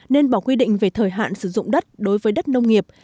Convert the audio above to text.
nên bỏ quy định về thời hạn sử dụng đất đối với đất nông nghiệp